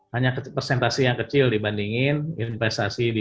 hanya persentasi yang kecil dibandingkan investasi di bidang properti sebagai gambaran